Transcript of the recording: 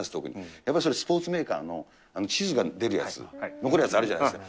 やっぱりスポーツメーカーの地図が出るやつ、残るやつあるじゃないですか。